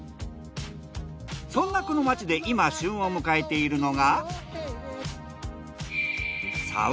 そんなこの町で今旬を迎えているのが。